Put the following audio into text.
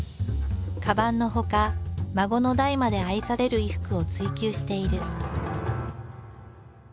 カバンのほか孫の代まで愛される衣服を追求している。